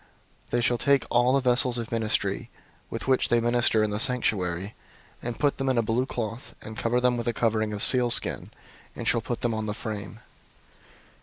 004:012 They shall take all the vessels of ministry, with which they minister in the sanctuary, and put them in a blue cloth, and cover them with a covering of sealskin, and shall put them on the frame.